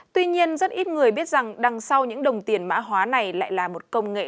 tuy nhiên rất ít người biết rằng đằng sau những đồng tiền mã hóa này lại là một công nghệ